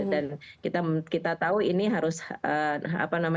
dan kita tahu ini harus terima